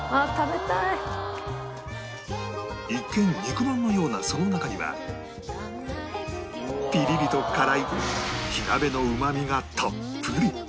一見肉まんのようなその中にはピリリと辛い火鍋のうまみがたっぷり